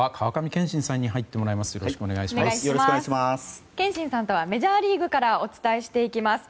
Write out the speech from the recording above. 憲伸さんとはメジャーリーグからお伝えしていきます。